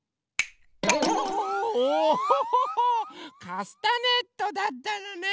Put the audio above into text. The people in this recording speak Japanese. カスタネットだったのね。